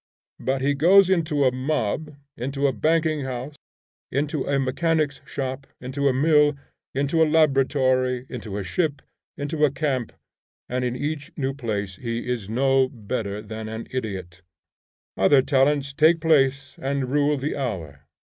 But he goes into a mob, into a banking house, into a mechanic's shop, into a mill, into a laboratory, into a ship, into a camp, and in each new place he is no better than an idiot; other talents take place, and rule the hour.